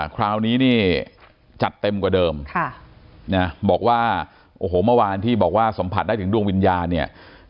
คราวนี้นี่จัดเต็มกว่าเดิมบอกว่าโอ้โหเมื่อวานที่บอกว่าสัมผัสได้ถึงดวงวิญญาณเนี่ย